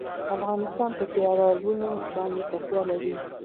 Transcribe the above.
افغانستان په سیلابونه باندې تکیه لري.